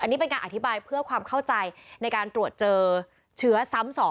อันนี้เป็นการอธิบายเพื่อความเข้าใจในการตรวจเจอเชื้อซ้ำ๒